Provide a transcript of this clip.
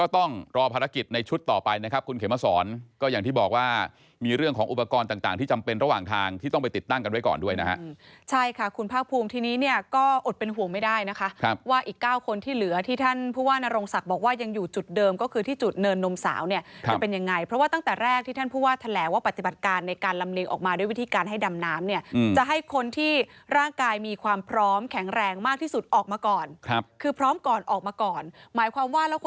ตอนนี้เนี่ยก็อดเป็นห่วงไม่ได้นะคะว่าอีก๙คนที่เหลือที่ท่านพูดว่านรงศักดิ์บอกว่ายังอยู่จุดเดิมก็คือที่จุดเนินนมสาวเนี่ยจะเป็นยังไงเพราะว่าตั้งแต่แรกที่ท่านพูดว่าแถลว่าปฏิบัติการในการลำเนียงออกมาด้วยวิธีการให้ดำน้ำเนี่ยจะให้คนที่ร่างกายมีความพร้อมแข็งแรงมากที่สุดออกมาก